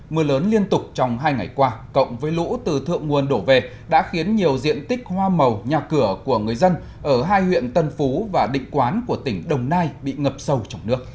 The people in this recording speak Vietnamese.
mưa lớn liên tục trong hai ngày qua cộng với lũ từ thượng nguồn đổ về đã khiến nhiều diện tích hoa màu nhà cửa của người dân ở hai huyện tân phú và định quán của tỉnh đồng nai bị ngập sâu trong nước